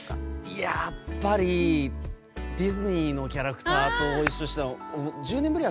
やっぱりディズニーのキャラクターかな。